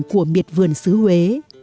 của miệt vườn xứ huế